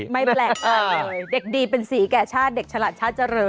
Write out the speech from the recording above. ไม่แปลกใจเลยเด็กดีเป็นสีแก่ชาติเด็กฉลาดชาติเจริญ